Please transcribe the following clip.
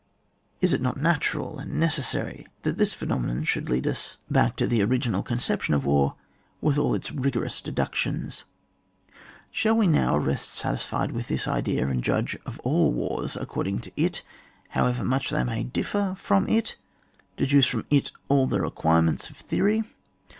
Is it not natural and neces sary that this phenomenon should lead us ClIAP. II.] ABSOLUTE AND REAL WAR. 45 back to the original conception of war with all its rigorous deductions ? Shall we now rest satisfied with this idea, and judge of all wars according to it, however much they may differ from it, — deduce from it all the requirements of theory